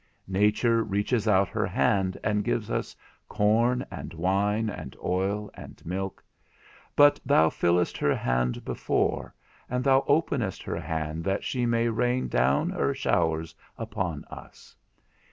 Nature reaches out her hand and gives us corn, and wine, and oil, and milk; but thou fillest her hand before, and thou openest her hand that she may rain down her showers upon us.